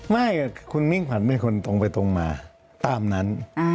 ไม่คุณมิ่งขวัญเป็นคนตรงไปตรงมาตามนั้น